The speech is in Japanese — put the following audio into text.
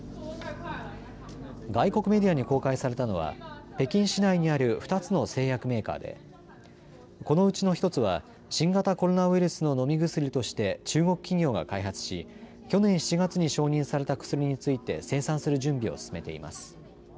外国メディアに公開されたのは北京市内にある２つの製薬メーカーでこのうちの１つは新型コロナウイルスの飲み薬として中国企業が開発し去年７月に承認された薬について生産する準備を進めています。